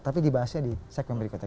tapi dibahasnya di segmen berikutnya